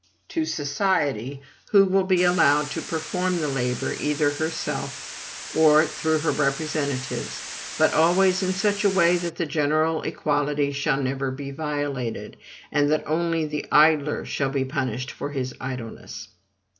To society; who will be allowed to perform the labor, either herself, or through her representatives, but always in such a way that the general equality shall never be violated, and that only the idler shall be punished for his idleness.